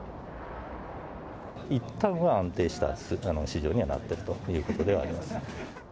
いったんは安定した市場にはなっているということであります。